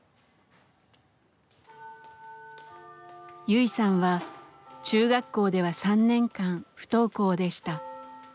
ユイさんは中学校では３年間不登校でした。